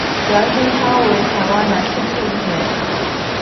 梁兴昌为台湾男性配音员。